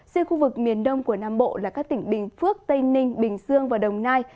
riêng khu vực miền đông của nam bộ là các tỉnh bình phước tây ninh bình dương và đồng nai